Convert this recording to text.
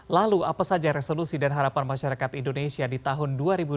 lalu apa saja resolusi dan harapan masyarakat indonesia di tahun dua ribu dua puluh